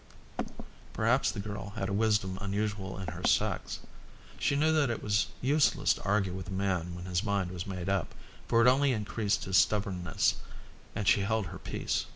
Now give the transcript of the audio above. Perhaps the girl had a wisdom unusual in her sex. She knew that it was useless to argue with a man when his mind was made up, for it only increased his stubbornness, and she held her peace.